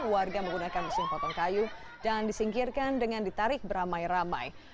warga menggunakan mesin potong kayu dan disingkirkan dengan ditarik beramai ramai